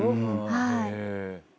はい。